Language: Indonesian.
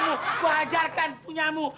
gua ajarkan punyamu